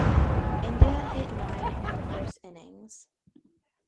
India hit nine in their first innings.